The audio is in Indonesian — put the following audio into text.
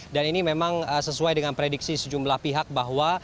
dan ini memang sesuai dengan prediksi sejumlah pihak bahwa